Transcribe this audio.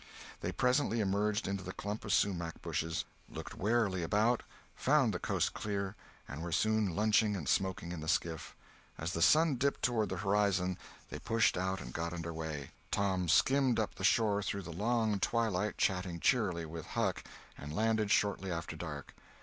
They presently emerged into the clump of sumach bushes, looked warily out, found the coast clear, and were soon lunching and smoking in the skiff. As the sun dipped toward the horizon they pushed out and got under way. Tom skimmed up the shore through the long twilight, chatting cheerily with Huck, and landed shortly after dark.